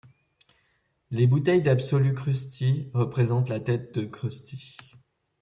Les bouteilles d'Absolut Krusty représentent la tête de Krusty.